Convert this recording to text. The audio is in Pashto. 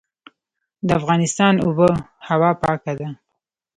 د افغانستان اوبه هوا پاکه ده